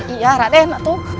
iya raden atu